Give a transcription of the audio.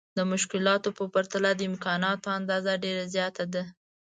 د مشکلاتو په پرتله د امکاناتو اندازه ډېره زياته ده.